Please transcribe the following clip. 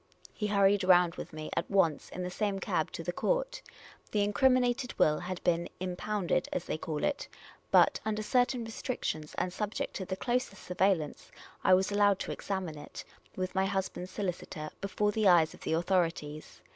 He hurried round with me at once in the same cab to the court. The incriminated will had been " impounded," as they call it ; but, under certain restrictions, and subject to the closest surveillance, I was allowed to examine it with my husband's solicitor, before the eyes of the authorities.